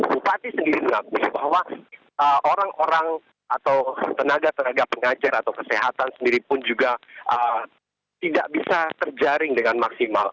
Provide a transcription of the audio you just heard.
bupati sendiri mengakui bahwa orang orang atau tenaga tenaga pengajar atau kesehatan sendiri pun juga tidak bisa terjaring dengan maksimal